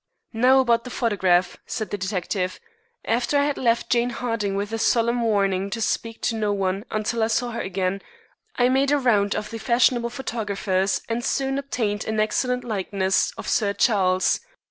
"Now about the photograph," said the detective. "After I had left Jane Harding with a solemn warning to speak to no one until I saw her again, I made a round of the fashionable photographers and soon obtained an excellent likeness of Sir Charles.